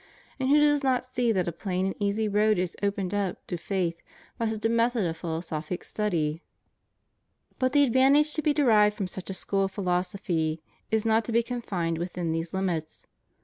And who does not see that a plain and easy road is opened up to faith by such a method of philosophic study? But the advantage to be derived from such a school of philosophy is not to be confined within these limits.